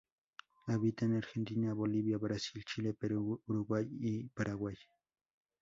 Habita en Argentina, Bolivia, Brasil, Chile, Perú, Uruguay y Paraguay.